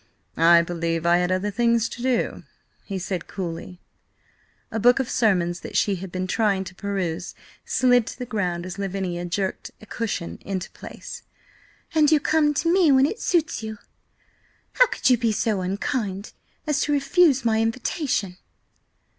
"I believe I had other things to do," he said coolly. A book of sermons that she had been trying to peruse slid to the ground as Lavinia jerked a cushion into place. "And you come to me when it suits you? How could you be so unkind as to refuse my invitation?"